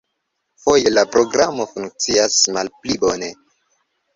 Foje la programo funkcias malpli bone.